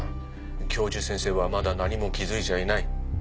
教授先生はまだ何も気づいちゃいない。